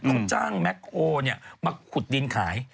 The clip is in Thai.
เขาจ้างแมคโอเนี่ยมาขุดดินขาย